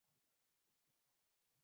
لاؤ